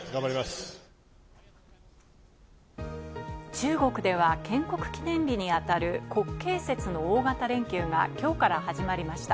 中国では、建国記念日にあたる国慶節の大型連休がきょうから始まりました。